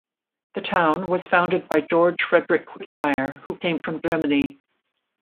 The town was founded by George Fredrick Whitmire who came from Germany.